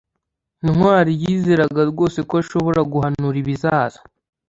ntwali yizeraga rwose ko ashobora guhanura ibizaza